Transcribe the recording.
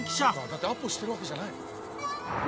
「だってアポしてるわけじゃない」